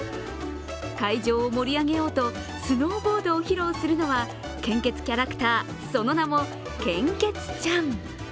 会場を盛り上げようとスノーボードを披露するのは献血キャラクター、その名も献血ちゃん。